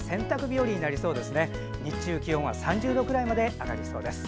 日中、気温は３０度くらいまで上がりそうです。